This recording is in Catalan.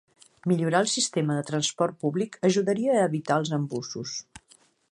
Millorar el sistema de transport públic ajudaria a evitar els embussos.